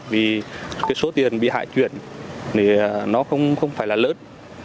vì cái số tiền bị hại chuyển thì nó không phải là lớn